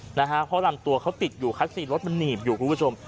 เพราะลำตัวติดอยู่จุดรถนี่บอยู่ครับคุณผู้ชม